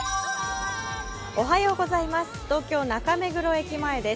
東京・中目黒駅前です。